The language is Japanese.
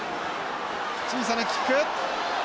小さなキック。